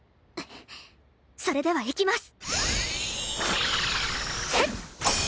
それではいきます！